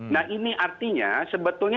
nah ini artinya sebetulnya